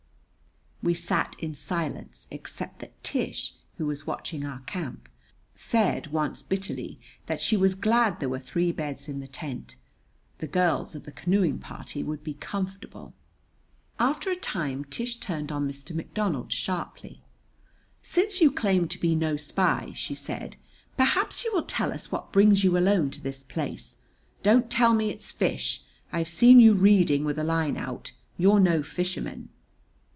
We sat in silence, except that Tish, who was watching our camp, said once bitterly that she was glad there were three beds in the tent. The girls of the canoeing party would be comfortable. After a time Tish turned on Mr. McDonald sharply. "Since you claim to be no spy," she said, "perhaps you will tell us what brings you alone to this place? Don't tell me it's fish I've seen you reading, with a line out. You're no fisherman."